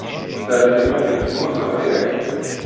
Terriḍ iman-im temmuteḍ yak?